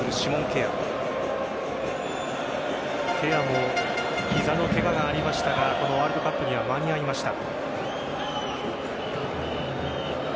ケアも膝のケガがありましたがこのワールドカップには間に合いました。